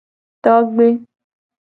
Togbe.